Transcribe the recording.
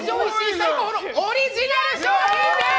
最高峰のオリジナル商品です！